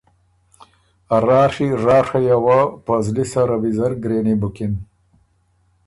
ا راڒی راڒئ یه وه په زلی سره ویزر ګرېنی بُکِن